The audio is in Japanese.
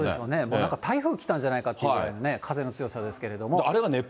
もうなんか、台風来たんじゃないかってぐらい、風の強さですけれども。